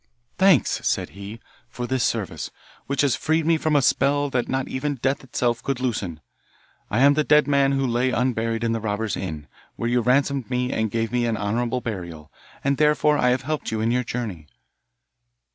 'Thanks,' said he, 'for this service, which has freed me from a spell that not even death itself could loosen. I am the dead man who lay unburied in the robber's inn, where you ransomed me and gave me honourable burial, and therefore I have helped you in your journey.